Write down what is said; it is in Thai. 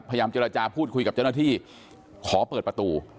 พยายามเจรจาพูดคุยกับเจ้าหน้าที่ขอเปิดประตู